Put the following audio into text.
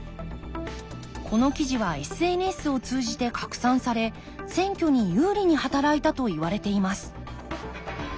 この記事はＳＮＳを通じて拡散され選挙に有利に働いたといわれています